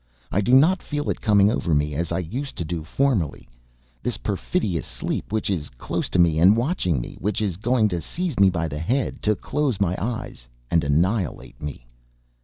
I do not feel coming over me, as I used to do formerly, this perfidious sleep which is close to me and watching me, which is going to seize me by the head, to close my eyes and annihilate me.